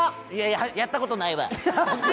やったことないわ。